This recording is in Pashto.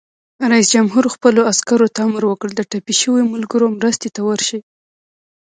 رئیس جمهور خپلو عسکرو ته امر وکړ؛ د ټپي شویو ملګرو مرستې ته ورشئ!